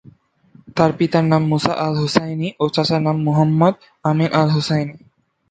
তার পিতার নাম মুসা আল-হুসাইনি ও চাচার নাম মুহাম্মদ আমিন আল-হুসাইনি।